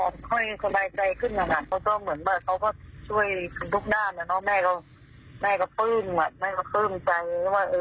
รู้สึกว่ามันไม่เครื่องใจว่า